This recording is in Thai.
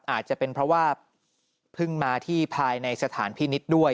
อาจจะเป็นเพราะว่าเพิ่งมาที่ภายในสถานพินิษฐ์ด้วย